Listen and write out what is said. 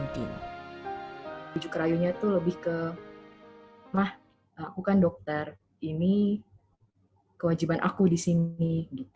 tujuh kerayunya itu lebih ke mah aku kan dokter ini kewajiban aku disini